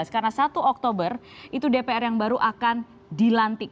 karena satu oktober itu dpr yang baru akan dilantik